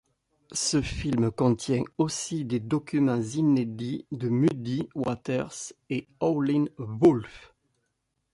Ce film contient aussi des documents inédits de Muddy Waters et Howlin' Wolf.